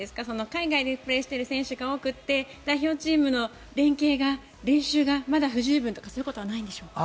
海外でプレーしている選手が多くて代表チームの連係が、練習がまだ不十分とか、そういうことはないんでしょうか。